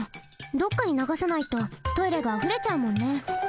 どっかにながさないとトイレがあふれちゃうもんね。